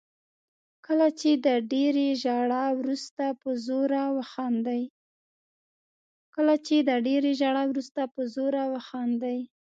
کله چې د ډېرې ژړا وروسته په زوره وخاندئ.